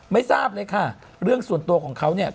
ไม่ทราบเลยค่ะเรื่องส่วนตัวของเขาเนี่ย